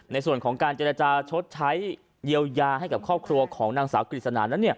ในส่วนของการเจรจาชดใช้เยียวยาให้กับครอบครัวของนางสาวกฤษณานั้น